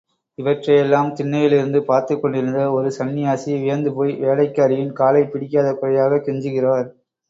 இவற்றையெல்லாம் திண்ணையிலிருந்து பார்த்துக்கொண்டிருந்த ஒரு சந்நியாசி, வியந்துபோய் வேலைக்காரியின் காலைப் பிடிக்காத குறையாகக் கெஞ்சுகிறார்.